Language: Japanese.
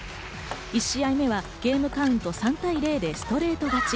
１試合目はゲームカウント３対０でストレート勝ち。